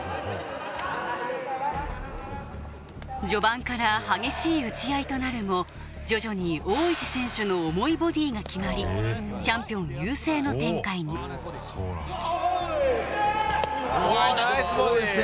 序盤から激しい打ち合いとなるも徐々に大石選手の重いボディーが決まりチャンピオン優勢の展開にわぁ痛い！